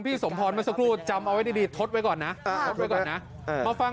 แผลที่เห็นเนี่ยแค่เธอเผลอไปเดินชนเสาสาธาริมทางก็เท่านั้นเอง